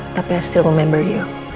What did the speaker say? tapi i still remember you